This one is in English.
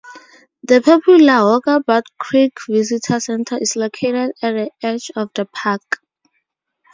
The popular Walkabout Creek Visitor Centre is located at the edge of the park.